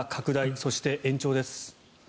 そして、延長です。